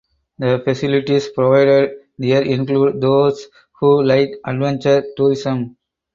The facilities provided there include those who like adventure tourism.